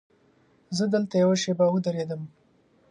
زه دلته یوه شېبه ودرېدم.